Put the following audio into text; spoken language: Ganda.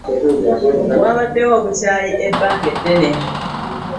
Wabaddewo obukyayi ebbanga ddene.